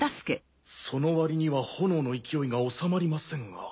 その割には炎の勢いが収まりませんが。